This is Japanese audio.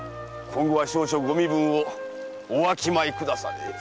今後は少々ご身分をおわきまえくだされ。